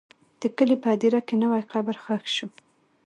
د کلي په هدیره کې نوی قبر ښخ شو.